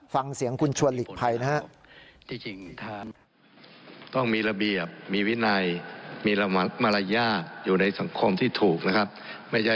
ฟังเสียงคุณชวนหลีกภัยนะครับ